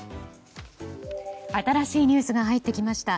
新しいニュースが入ってきました。